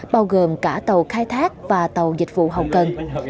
bao gồm cả tàu khai thác và tàu dịch vụ hậu cần